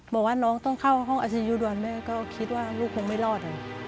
บอกว่าน้องต้องเข้าห้องอายุดวนแม่ก็คิดว่าลูกคงไม่รอด